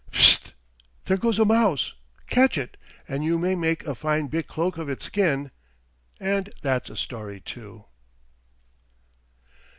Pfst! There goes a mouse. Catch it and you may make a fine big cloak of its skin, and that's a story, too.